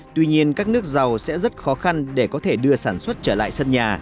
tuy nhiên các nước giàu sẽ rất khó khăn để có thể đưa sản xuất trở lại sân nhà